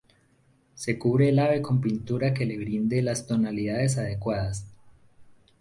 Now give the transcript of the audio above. Se cubre al ave con pintura que le brinde las tonalidades adecuadas.